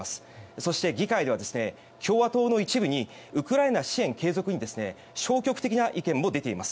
そして議会では共和党の一部にウクライナ支援継続に消極的な意見も出ています。